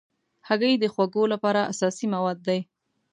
هګۍ د خواږو لپاره اساسي مواد دي.